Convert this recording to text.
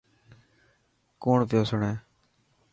ڪونڻ پيو سڻي.